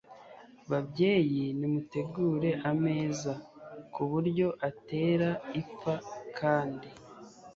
Babyeyi nimutegure ameza ku buryo atera ipfa kandi